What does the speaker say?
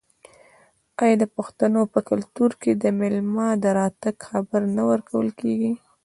آیا د پښتنو په کلتور کې د میلمه د راتګ خبر نه ورکول کیږي؟